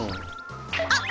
あ！